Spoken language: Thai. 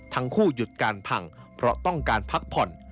ทั้งคู่หยุดการพังเพราะต้องการพักผ่อน